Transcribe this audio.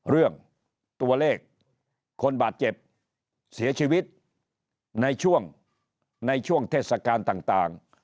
เรื่องตัวเลขคนบาดเจ็บเสียชีวิตในช่วงในช่วงเทศกาลต่าง